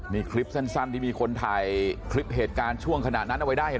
นี่คลิปสั้นที่มีคนถ่ายคลิปเหตุการณ์ช่วงขณะนั้นเอาไว้ได้เห็น